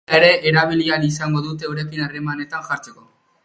E-maila ere erabili ahal izango dute eurekin harremanetan jartzeko.